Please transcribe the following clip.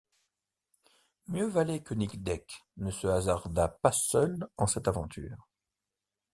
Mieux valait que Nic Deck ne se hasardât pas seul en cette aventure.